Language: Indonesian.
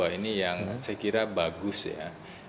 ini yang saya kira bagus ya